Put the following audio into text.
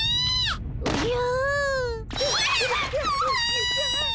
おじゃ。